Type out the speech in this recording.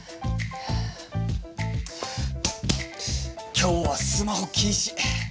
今日はスマホ禁止！